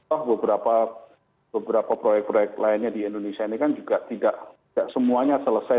oh beberapa proyek proyek lainnya di indonesia ini kan juga tidak semuanya selesai